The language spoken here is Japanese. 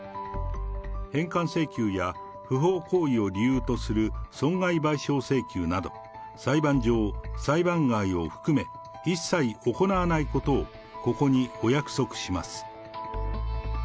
返還請求や不法行為を理由とする損害賠償請求など、裁判上、裁判外を含め、一切行わないことをここにお約束します。